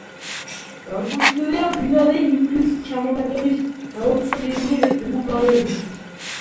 განკუთვნილია მდინარე ივრის ჩამონადენის მრავალწლიური რეგულირებისათვის.